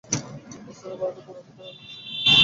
এস্থানেও ভারতে পৌরোহিত্য ও রাজন্যশক্তিদ্বয়ের বিষম কলহ।